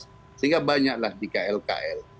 sehingga banyaklah di kl kl